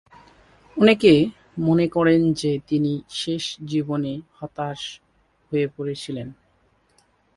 অনেকে মনে করেন যে তিনি শেষ জীবনে হতাশ হয়ে পড়েছিলেন।